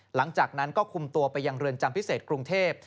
หลังจากนั้นก็คุมตัวไปยังเรือนจำพิเศษกรุงเทพ